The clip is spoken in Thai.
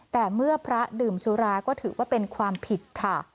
แต่เมื่อพระดื่มสุราก็ถือว่าเป็นความผิดค่ะ